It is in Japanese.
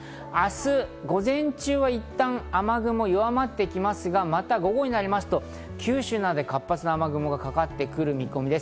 明日午前中はいったん雨雲が弱まってきますが、また午後になりますと九州などで活発な雨雲がかかってくる見込みです。